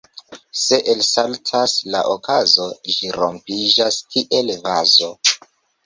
Se elsaltas la okazo, ĝi rompiĝas kiel vazo.